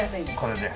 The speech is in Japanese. これで。